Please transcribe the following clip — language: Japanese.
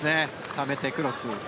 ためて、クロス。